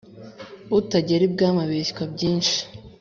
Utagera ibwami abeshywa byinshi.